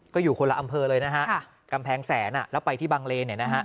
ก็อยู่คนละอำเภอเลยนะฮะกำแพงแสนแล้วไปที่บังเลน